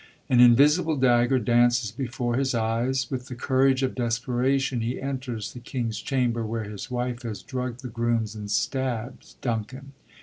An invisible dagger dances before his eyes. With the courage of desperation he enters the king's chamber, where his wife has drugd the grooms, and stabs Duncan.